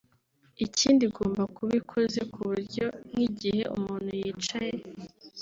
Ikindi igomba kuba ikoze ku buryo nk’igihe umuntu yicaye